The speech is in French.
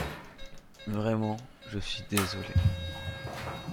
Vraiment, je suis désolé.